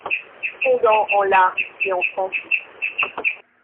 Fondant en larmes et en sanglots.